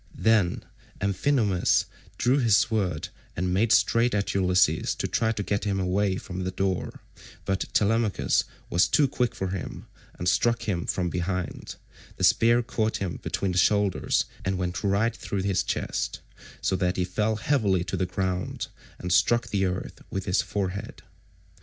Then Amphinomus drew his sword and made straight at Ulysses to try and get him away from the door; but Telemachus was too quick for him, and struck him from behind; the spear caught him between the shoulders and went right through his chest, so that he fell heavily to the ground and struck the earth with his forehead.